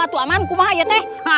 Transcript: aduh aman aku mau ayam